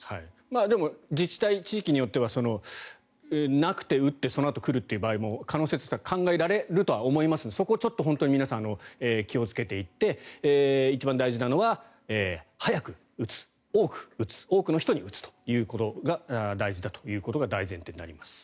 でも、自治体地域によってはなくて、打ってそのあと来るという場合も可能性としては考えられると思いますのでそこはちょっと本当に皆さん気をつけていただいて一番大事なのは早く打つ、多く打つ多くの人に打つということが大事だということが大前提になります。